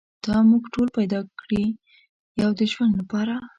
تا موږ ټول پیدا کړي یو د ژوند لپاره.